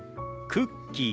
クッキー。